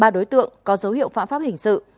ba đối tượng có dấu hiệu phạm pháp hình sự